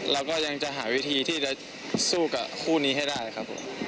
เราก็ยังจะหาวิธีที่จะสู้กับคู่นี้ให้ได้ครับผม